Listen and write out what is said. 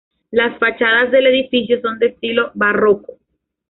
Las fachadas del edificio son de estilo barroco.